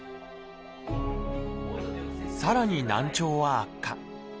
さらに難聴は悪化。